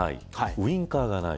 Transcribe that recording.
ウインカーがない。